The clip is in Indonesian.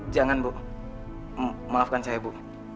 jangan ibu maafkan saya ibu